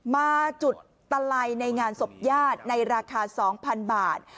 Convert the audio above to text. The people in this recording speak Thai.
มาจุดตะไลในงานศพญาติในราคา๒๐๐๐บาท